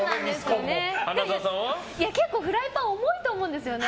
結構、フライパン重いと思うんですよね。